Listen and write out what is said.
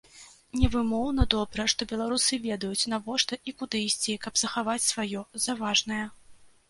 Невымоўна добра, што беларусы ведаюць, навошта і куды ісці, каб захаваць сваё, за важнае.